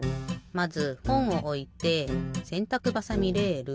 まずほんをおいてせんたくばさみレール。